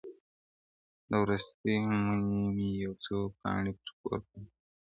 د وروستي مني مي یو څو پاڼي پر کور پاته دي-